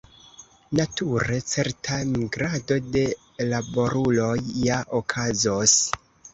Nature, certa migrado de laboruloj ja okazos.